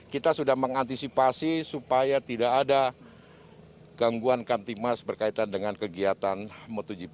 kita sudah mengantisipasi supaya tidak ada gangguan kaktimas berkaitan dengan kegiatan motogp dua ribu dua puluh dua